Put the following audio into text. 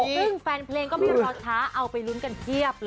ซึ่งแฟนเพลงก็ไม่รอช้าเอาไปลุ้นกันเพียบเลย